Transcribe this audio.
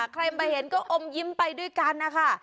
ใครมาเห็นก็อมยิ้มไปด้วยกันนะคะ